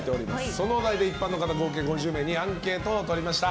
そのお題で一般の方、計５０人にアンケートを取りました。